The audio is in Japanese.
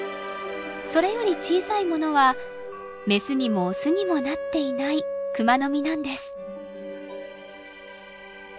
それより小さいものはメスにもオスにもなっていないクマノミなんです。